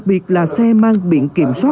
cho nên là các anh chị mình biết rồi